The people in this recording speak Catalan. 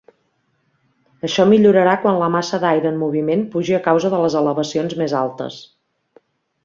Això millorarà quan la massa d'aire en moviment pugi a causa de les elevacions més altes.